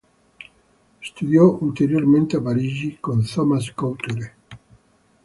Studiò ulteriormente a Parigi, con Thomas Couture.